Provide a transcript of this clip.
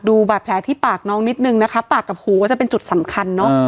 ดูบาดแผลที่ปากน้องนิดนึงนะคะปากกับหูก็จะเป็นจุดสำคัญเนอะ